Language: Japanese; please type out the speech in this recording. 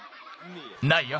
ないよ。